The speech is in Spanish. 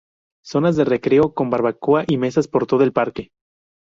Zonas de recreo, con barbacoa y mesas por todo el parque.